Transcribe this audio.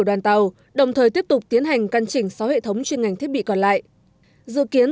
đoàn tàu đồng thời tiếp tục tiến hành căn chỉnh sáu hệ thống chuyên ngành thiết bị còn lại dự kiến